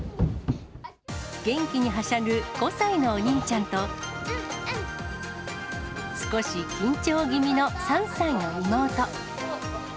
元気にはしゃぐ５歳のお兄ちゃんと、少し緊張気味の３歳の妹。